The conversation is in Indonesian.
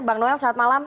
bang noel selamat malam